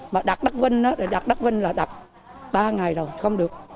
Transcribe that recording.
mà đặt đắc vinh đặt đắc vinh là đặt ba ngày rồi không được